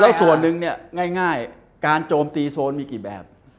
แล้วส่วนนี้ง่ายการโจมตีโซนมีกี่แบบ